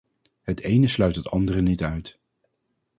Het ene sluit het andere niet uit.